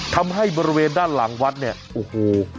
ทำให้บริเวณด้านหลังวัดเนี่ยโอ้โห